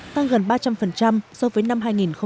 tăng gần ba trăm linh so với năm hai nghìn một mươi bảy